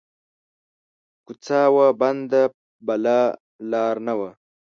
کو څه وه بنده بله لار نه وه